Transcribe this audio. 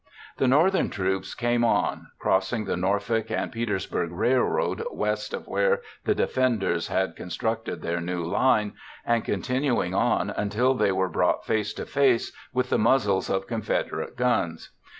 The Northern troops came on, crossing the Norfolk and Petersburg Railroad west of where the defenders had constructed their new line and continuing on until they were brought face to face with the muzzles of Confederate guns.